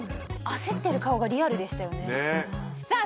焦ってる顔がリアルでしたよねねえさあ